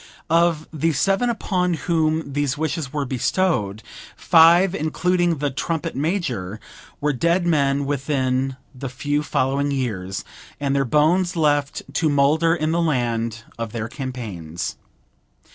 Of the seven upon whom these wishes were bestowed, five, including the trumpet major, were dead men within the few following years, and their bones left to moulder in the land of their campaigns.